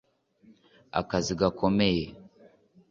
akazi gakomeye